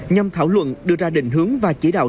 nhằm thảo luận đưa ra định hướng và chỉ đạo